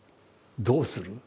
どうする？